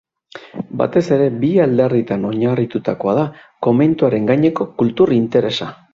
Batez ere bi alderditan oinarritutakoa da komentuaren gaineko kultur interesa.